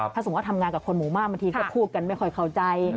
ถ้าสมมุติทำงานกับคนหมู่มากบางทีก็พูดกันไม่ค่อยเข้าใจ